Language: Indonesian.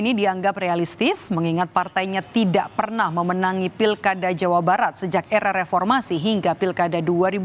ini dianggap realistis mengingat partainya tidak pernah memenangi pilkada jawa barat sejak era reformasi hingga pilkada dua ribu dua puluh